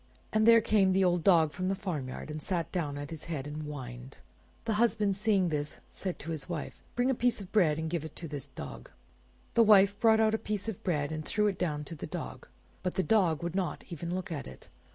And there came the old Dog from the farmyard, and sat down at his head and whined. The husband seeing this, said to his wife— "Bring a piece of bread and give it to this Dog." The wife brought out a piece of bread, and threw it down to the Dog; but the Dog would not even look at it.